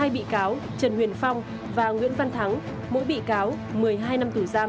hai bị cáo trần huyền phong và nguyễn văn thắng mỗi bị cáo một mươi hai năm tù giam